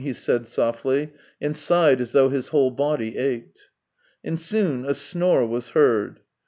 he said softly, and sighed as though his whole body ached. And soon a snore was heard.